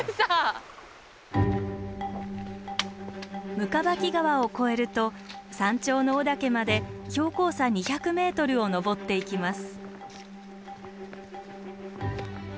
行縢川を越えると山頂の雄岳まで標高差２００ｍを登っていきます。